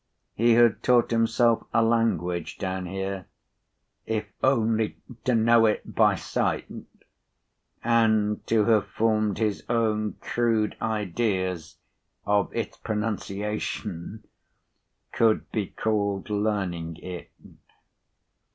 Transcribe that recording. He had p. 94taught himself a language down here—if only to know it by sight, and to have formed his own crude ideas of its pronunciation, could be called learning it.